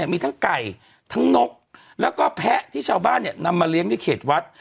มีทั้งไก่ทั้งนกแล้วก็แพะที่ชาวบ้านนำมาเลี้ยงในเขตวัด